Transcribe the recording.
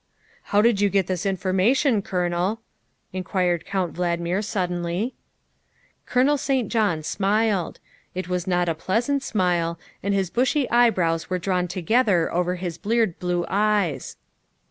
" How did you get this information, Colonel?" in quired Count Valdmir suddenly. Colonel St. John smiled. It was not a pleasant smile, and his bushy eyebrows were drawn together over his bleared blue eyes.